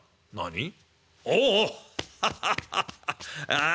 ああ！